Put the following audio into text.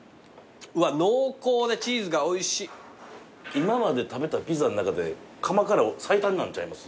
今まで食べたピザの中で窯から最短なんちゃいます？